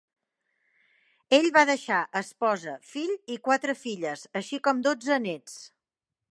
Ell va deixar esposa, fill i quatre filles, així com dotze nets.